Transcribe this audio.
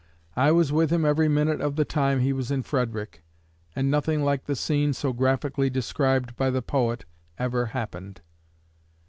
I was with him every minute of the time he was in Frederick, and nothing like the scene so graphically described by the poet ever happened.